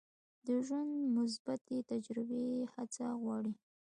د ژوند مثبتې تجربې هڅه غواړي.